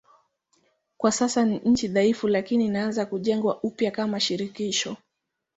Kwa sasa ni nchi dhaifu lakini inaanza kujengwa upya kama shirikisho.